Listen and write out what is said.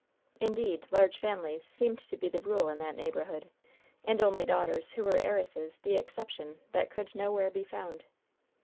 Indeed, large families seemed to be the rule in that neighborhood, and only daughters who were heiresses the exception that could nowhere be found.